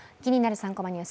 ３コマニュース」